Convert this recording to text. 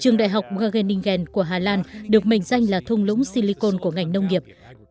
trường đại học gageningen của hà lan được mệnh danh là thung lũng silicon của ngành nông nghiệp